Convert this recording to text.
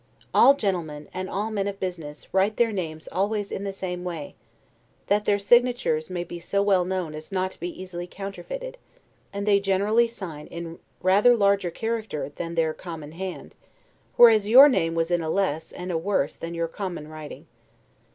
All gentlemen, and all men of business, write their names always in the same way, that their signature may be so well known as not to be easily counterfeited; and they generally sign in rather larger character than their common hand; whereas your name was in a less, and a worse, than your common writing.